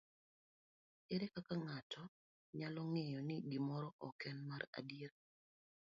Ere kaka ng'ato nyalo ng'eyo ni gimoro ok en mar adier?